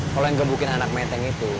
kalau yang gebukin anak menteng itu